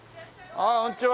ああこんにちは。